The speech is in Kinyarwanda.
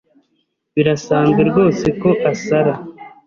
Birasanzwe rwose ko asara.